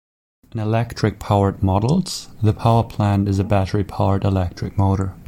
In electric-powered models, the powerplant is a battery-powered electric motor.